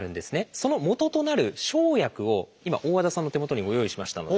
そのもととなる生薬を今大和田さんの手元にご用意しましたので。